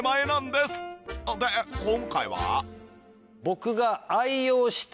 で今回は？